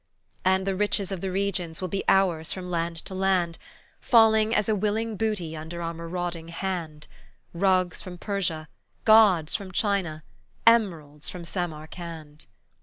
And the riches of the regions will be ours from land to land, Falling as a wiling booty under our marauding hand, Rugs from Persia, gods from China, emeralds from Samarcand!